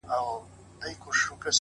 د يو وزر بې وزرو شناخت نه دی په کار!